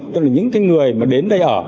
tức là những người đến đây ở